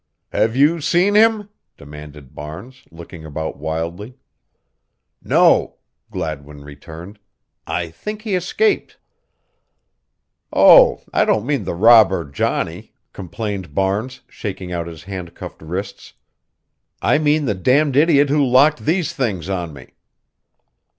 "Have you seen him?" demanded Barnes, looking about wildly. "No," Gladwin returned. "I think he escaped." "Oh, I don't mean the robber Johnny," complained Barnes, shaking out his handcuffed wrists. "I mean the damned idiot who locked these things on me."